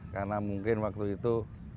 karena mungkin waktu itu